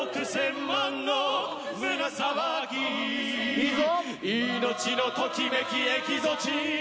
いいぞ！